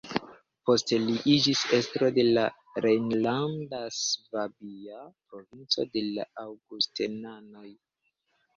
Poste li iĝis estro de la rejnlanda-svabia provinco de la aŭgustenanoj.